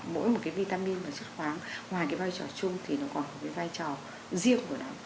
mỗi một cái vitamin và xuất khoáng ngoài cái vai trò chung thì nó còn một cái vai trò riêng của nó